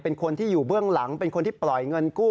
เป็นคนที่อยู่เบื้องหลังเป็นคนที่ปล่อยเงินกู้